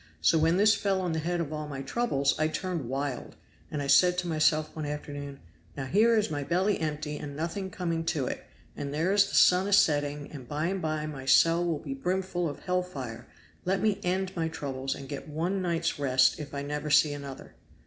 So when this fell on the head of all my troubles I turned wild, and I said to myself one afternoon, 'Now here is my belly empty and nothing coming to it, and there is the sun a setting, and by and by my cell will be brimful of hell fire let me end my troubles and get one night's rest if I never see another.'